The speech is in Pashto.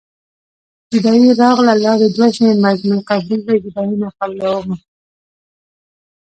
جدايي راغله لارې دوه شوې مرګ مې قبول دی جدايي نه قبلومه